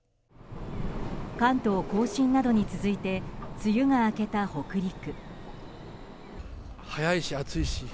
関東・甲信などに続いて梅雨が明けた北陸。